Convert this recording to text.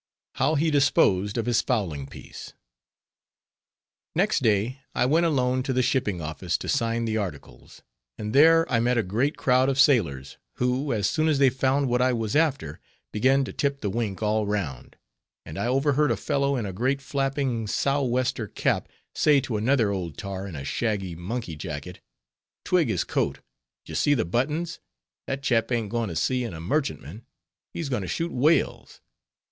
HOW HE DISPOSED OF HIS FOWLING PIECE Next day I went alone to the shipping office to sign the articles, and there I met a great crowd of sailors, who as soon as they found what I was after, began to tip the wink all round, and I overheard a fellow in a great flapping sou'wester cap say to another old tar in a shaggy monkey jacket, "Twig his coat, d'ye see the buttons, that chap ain't going to sea in a merchantman, he's going to shoot whales.